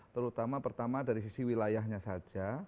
terutama pertama dari sisi wilayahnya saja